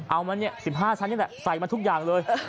เอามาเนี่ย๑๕ชั้นนี่แหละใส่มาทุกอย่างเลย